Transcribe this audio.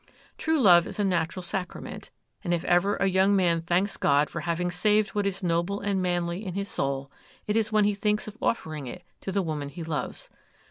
True love is a natural sacrament; and if ever a young man thanks God for having saved what is noble and manly in his soul, it is when he thinks of offering it to the woman he loves.